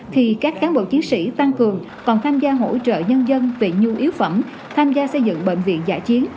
thì các cán bộ chiến sĩ tăng cường còn tham gia hỗ trợ nhân dân về nhu yếu phẩm tham gia xây dựng bệnh viện giả chiến